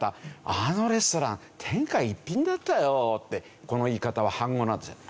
「あのレストラン天下一品だったよ」ってこの言い方は反語なんですね。